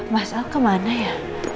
mas al kemana ya